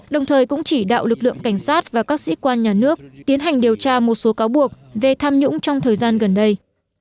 đồng thời cũng chỉ đạo lực lượng cảnh sát và các sĩ quan nhà nước tiến hành điều tra một số cáo buộc về tham nhũng trong thời gian gần đây